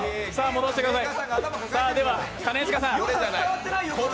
戻してください。